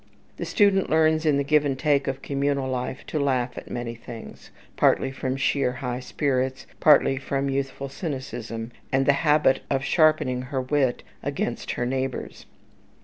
The student learns in the give and take of communal life to laugh at many things, partly from sheer high spirits, partly from youthful cynicism, and the habit of sharpening her wit against her neighbour's.